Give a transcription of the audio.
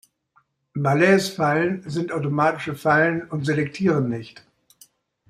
Malaise-Fallen sind automatische Fallen und selektieren nicht.